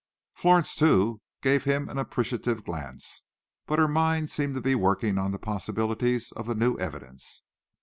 Florence, too, gave him an appreciative glance, but her mind seemed to be working on the possibilities of the new evidence.